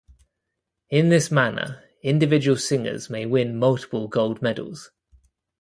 In this manner individual singers may win multiple gold medals.